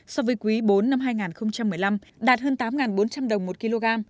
so với quý bốn năm hai nghìn một mươi năm đạt hơn tám bốn trăm linh đồng một kg